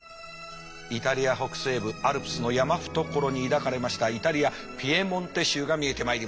イタリア北西部アルプスの山懐に抱かれましたイタリアピエモンテ州が見えてまいりました。